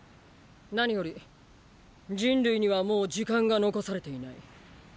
何より人類にはもう時間が残されていない。